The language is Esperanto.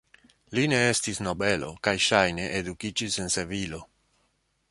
Li ne estis nobelo kaj ŝajne edukiĝis en Sevilo.